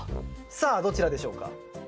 さあどちらでしょうか？